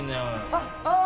あっああ！